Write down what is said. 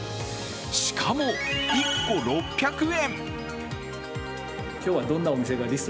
しかも１個６００円。